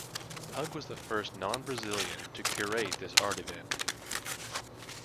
Hug was the first non-Brazilian to curate this art event.